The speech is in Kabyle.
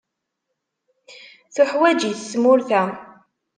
Tuḥwaǧ-it tmurt-a.